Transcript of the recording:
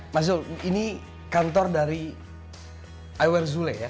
mas zul ini kantor dari awer zule ya